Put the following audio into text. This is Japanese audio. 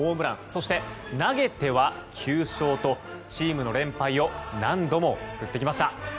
そして投げては９勝とチームの連敗を何度も救ってきました。